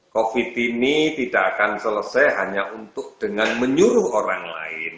covid ini tidak akan selesai hanya untuk dengan menyuruh orang lain